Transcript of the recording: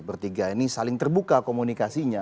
bertiga ini saling terbuka komunikasinya